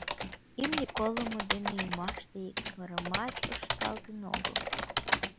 Имне колымо дене ӱмаште икырымат пышталтын огыл...